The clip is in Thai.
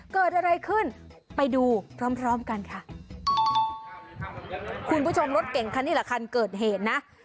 เกิดอะไรขึ้นไปดูพร้อมพร้อมกันค่ะคุณผู้ชมรถเก่งคันนี้แหละคันเกิดเหตุนะ